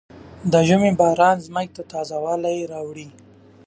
د ژمي باران ځمکې ته تازه والی راوړي.